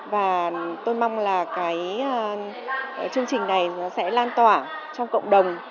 và tôi mong là cái chương trình này nó sẽ lan tỏa trong cộng đồng